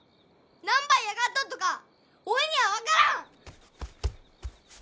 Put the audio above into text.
何ば嫌がっとっとかおいには分からん！